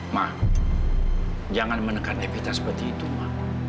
ma jangan menekan epita seperti itu ma